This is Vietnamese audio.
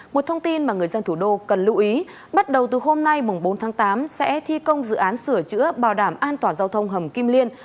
một thông tin mà người dân thủ đô cần lưu ý bắt đầu từ hôm nay bốn tháng tám sẽ thi công dự án sửa chữa bảo đảm an toàn giao thông hầm kim liên